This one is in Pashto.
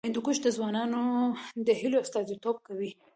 هندوکش د ځوانانو د هیلو استازیتوب کوي.